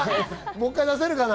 もう１回、出せるかな？